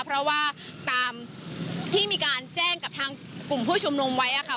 เพราะว่าตามที่มีการแจ้งกับทางกลุ่มผู้ชุมนุมไว้ค่ะ